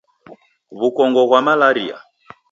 Wukongo ghwa malaria